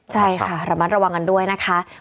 ใช่ค่ะระมัดระวังกันด้วยนะคะ